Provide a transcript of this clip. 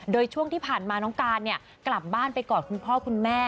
โดยช่วงที่ผ่านมาน้องการกลับบ้านไปกอดคุณพ่อคุณแม่